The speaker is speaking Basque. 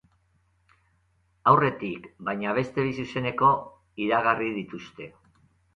Aurretik, baina, beste bi zuzeneko iragarri dituzte.